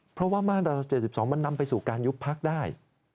เพราะว่ามาตรา๗๒มันนำไปสู่การยุบพักได้